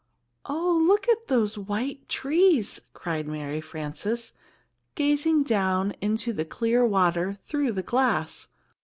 "Oh, look at those white trees!" cried Mary Frances, gazing down into the clear water through the glass.